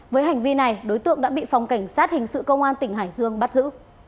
với hành vi này đối tượng đã bị phòng cảnh sát hình sự công an tỉnh hải dương bắt giữ